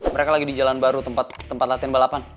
mereka lagi di jalan baru tempat latihan balapan